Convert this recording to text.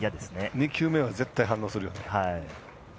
２球目は絶対反応する。